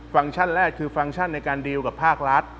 ฟังก์ชั่นแรกคือฟังก์ชั่นในการดีลกับภาครัฐ